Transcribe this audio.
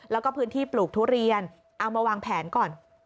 แล้วก็พื้นที่ปลูกทุเรียนเอามาวางแผนก่อน